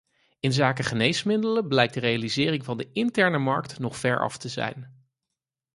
Inzake geneesmiddelen blijkt de realisering van de interne markt nog veraf te zijn.